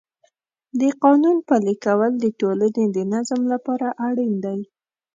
د قانون پلي کول د ټولنې د نظم لپاره اړین دی.